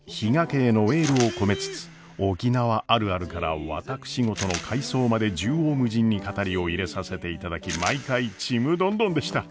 家へのエールを込めつつ沖縄あるあるから私事の回想まで縦横無尽に語りを入れさせていただき毎回ちむどんどんでした。